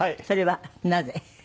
それはなぜ？